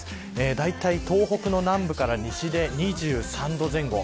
だいたい東北の南部から西で２３度前後。